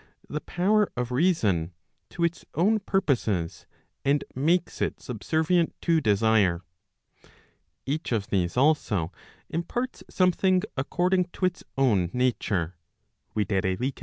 the power of reason, to its own purposes, and makes it subservient to desire. Each of these also imparts something according to its own nature, viz.